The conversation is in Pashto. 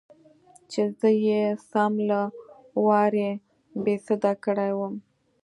چې زه يې سم له وارې بېسده کړى وم.